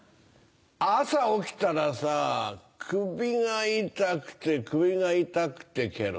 朝起きたらさ首が痛くて首が痛くてケロ。